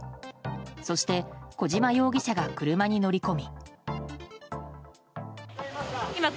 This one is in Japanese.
そして小島容疑者が車に乗り込み。